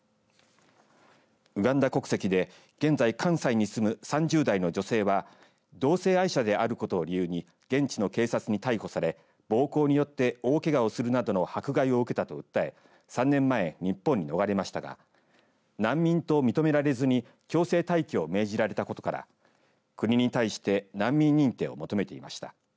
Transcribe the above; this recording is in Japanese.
ウガンダ国籍で現在関西に住む３０代の女性は同性愛者であることを理由に現地の警察に逮捕され暴行によって大けがをするなどの迫害を受けたと訴え３年前、日本に逃れましたが難民と認められずに強制退去を命じられたことから国に対して難民認定を求めていました。